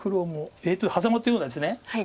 ハザマというのはですね。